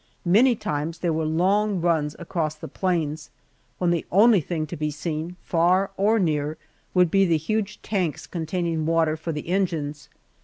Many times there were long runs across the plains, when the only thing to be seen, far or near, would be the huge tanks containing water for the engines.